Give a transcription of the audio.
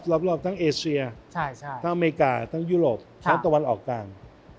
รอบทั้งเอเซียทั้งอเมริกาทั้งยุโรปทั้งตะวันออกกลาง